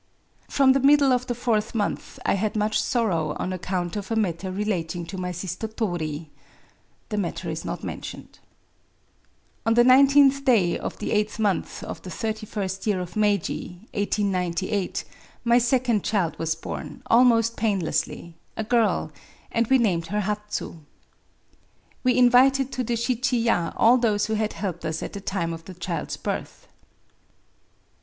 From the middle of the fourth month I had much sor row on account of a matter relating to my sister Tori [ibi matter is not mintioneJ] .«««««« On the nineteenth day of the eighth month of the thirty first year of Meiji my second child was born, almost painlessly, — a girl; and we named her Hatsu. We invited to the shichiya ^ all those who had helped us at the time of the child's birth.